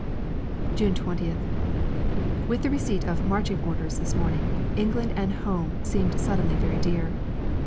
June 20th. With the receipt of "Marching Orders" this morning, England and Home seemed suddenly very dear.